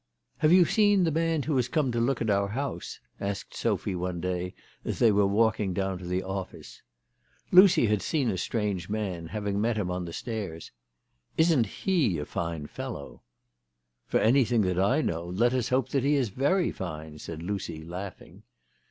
" Have you seen that man who has come to look at our house ?" asked Sophy one day as they were walk ing down to the office. Lucy had seen a strange man, having met him on the stairs. " Isn't he a fine fellow ?"" For anything that I know. Let us hope that he is very fine," said Lucy laughing.